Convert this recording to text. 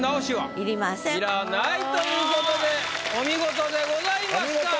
いらないという事でお見事でございました。